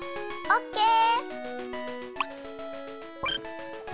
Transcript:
オッケー！